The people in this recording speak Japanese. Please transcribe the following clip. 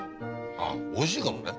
あっおいしいかもね。